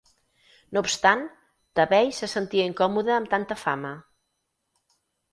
No obstant, Tabei se sentia incòmode amb tanta fama.